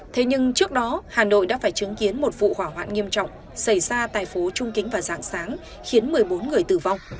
thế nhưng trước đó hà nội đã phải chứng kiến một vụ hỏa hoạn nghiêm trọng xảy ra tại phố trung kính vào dạng sáng khiến một mươi bốn người tử vong